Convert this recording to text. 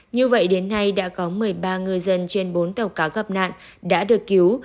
như vậy đến nay đã có một mươi ba ngư dân trên bốn tàu cá gặp nạn đã được cứu